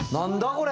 これ。